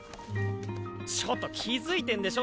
ちょっと気付いてんでしょ